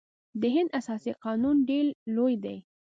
د هند اساسي قانون ډیر لوی دی.